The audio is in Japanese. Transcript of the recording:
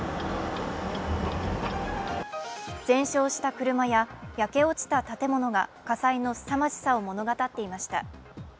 全焼した車や、焼け落ちた建物が火災のすさまじさを物語っていました。